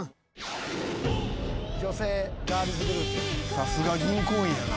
さすが銀行員やな。